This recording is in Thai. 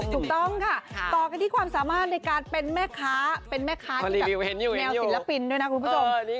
ถูกต้องค่ะต่อกันที่ความสามารถในการเป็นแม่ค้าเป็นแม่ค้าที่แบบแนวศิลปินด้วยนะคุณผู้ชม